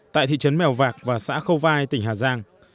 tại thị trấn mèo vạc và xã khâu vai tỉnh hà giang